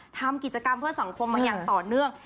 ทำกิจกรรมเพื่อสังคมมาอย่างต่อเนื่อง